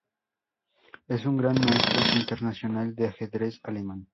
Es un Gran Maestro Internacional de ajedrez alemán.